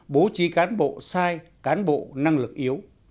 bố trí cán bộ sai cán bộ năng lực yếu